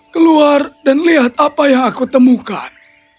keluar dan lihat apa yang aku temukan